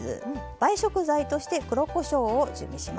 映え食材として黒こしょうを準備します。